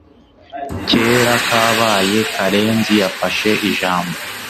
Kera kabaye Karenzi yafashe ijambo